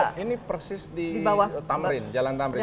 oh ini persis di jalan tamrin